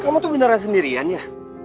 kamu tuh beneran sendirian ya